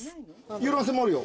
遊覧船もあるよ。